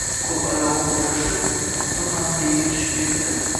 Qo`l oyog`i bo`shashib, quti ham erga tushib ketdi